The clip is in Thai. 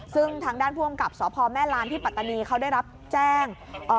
ซึ่งทางด้านผู้อำกับสพแม่ลานที่ปัตตานีเขาได้รับแจ้ง